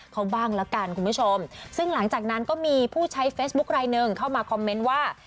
เขาบ้างละกันคุณผู้ชมซึ่งหลังจากนั้นก็มีผู้ใช้เฟซบุ๊คลายหนึ่งเข้ามาคอมเมนต์ว่า